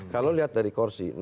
kalau lihat dari kursi